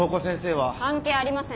関係ありません。